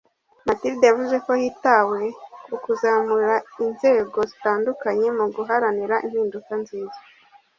Mathilde yavuze ko hitawe ku kuzamura inzego zitandukanye mu guharanira impinduka nziza